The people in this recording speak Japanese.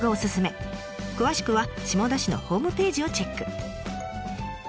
詳しくは下田市のホームページをチェック。